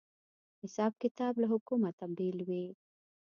حساب کتاب له حکومته بېل وي